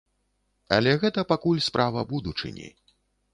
Але гэта пакуль справа будучыні.